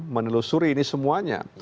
menelusuri ini semuanya